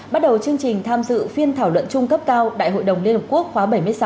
bắt đầu chương trình tham dự phiên thảo luận chung cấp cao đại hội đồng liên hợp quốc khóa bảy mươi sáu